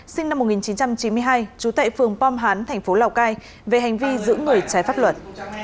sinh năm một nghìn chín trăm chín mươi hai trú tại phường pom hán thành phố lào cai về hành vi giữ người trái pháp luật